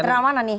internal mana nih